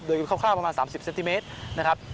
โดยคร่าวประมาณ๓๐เซนติเมตรนะครับ